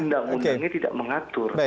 undang undangnya tidak mengatur